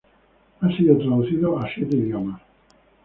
Ha sido traducido a siete idiomas.